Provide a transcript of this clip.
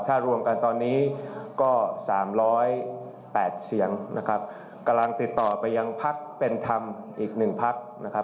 ถ้ารวมกันตอนนี้ก็๓๐๘เสียงนะครับกำลังติดต่อไปยังพักเป็นธรรมอีกหนึ่งพักนะครับ